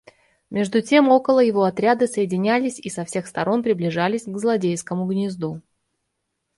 Между тем около его отряды соединялись и со всех сторон приближались к злодейскому гнезду.